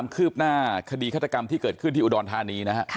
คาดีข้าตกรรมที่เกิดขึ้นที่อุดอลทานีนะค่ะ